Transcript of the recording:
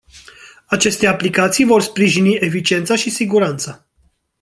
Aceste aplicații vor sprijini eficiența și siguranța.